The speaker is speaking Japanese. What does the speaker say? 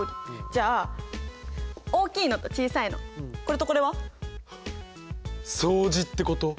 じゃあ大きいのと小さいのこれとこれは？はっ！相似ってこと？